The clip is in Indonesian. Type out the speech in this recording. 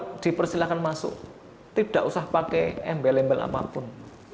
kalau dipersilakan masuk tidak usah pakai embel embel apapun